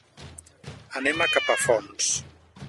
Anem a Capafonts.